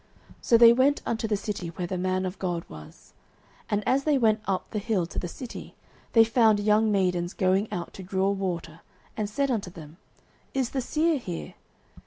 So they went unto the city where the man of God was. 09:009:011 And as they went up the hill to the city, they found young maidens going out to draw water, and said unto them, Is the seer here?